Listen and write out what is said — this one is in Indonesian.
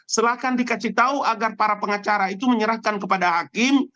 silahkan dikasih tahu agar para pengacara itu menyerahkan kepada hakim